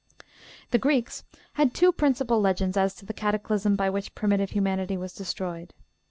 "The Greeks had two principal legends as to the cataclysm by which primitive humanity was destroyed.